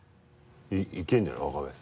いけるんじゃない？